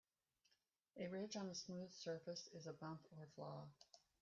A ridge on a smooth surface is a bump or flaw.